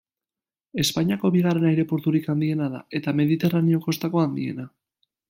Espainiako bigarren aireporturik handiena da, eta mediterraneo kostako handiena.